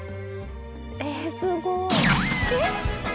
えすごい。